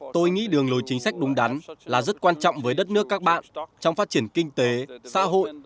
tôi nghĩ đường lối chính sách đúng đắn là rất quan trọng với đất nước các bạn trong phát triển kinh tế xã hội